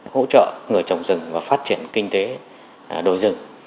hỗ trợ người trồng rừng và phát triển kinh tế đối rừng